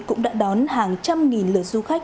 cũng đã đón hàng trăm nghìn lượt du khách